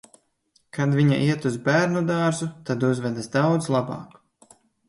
Kad viņa iet uz bērnu dārzu, tad uzvedas daudz labāk.